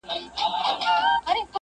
دلته سرونه نو په شمار جوړېږي